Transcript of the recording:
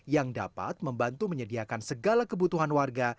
yang dapat membantu menyediakan segala kebutuhan warga